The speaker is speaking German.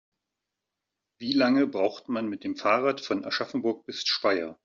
Wie lange braucht man mit dem Fahrrad von Aschaffenburg bis Speyer?